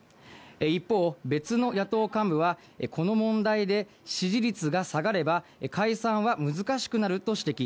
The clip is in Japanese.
一方、別の野党幹部は、この問題で支持率が下がれば、解散は難しくなると指摘。